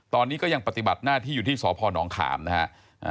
ตอนนี้ก็ยังปฏิบัติหน้าที่อยู่ที่สพนขามนะฮะ